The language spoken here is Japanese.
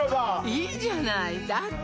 いいじゃないだって